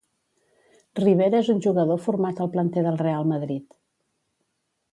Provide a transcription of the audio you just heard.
Rivera és un jugador format al planter del Real Madrid.